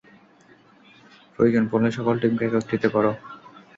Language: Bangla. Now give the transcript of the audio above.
প্রয়োজন পড়লে সকল টিমকে একত্রিত করো।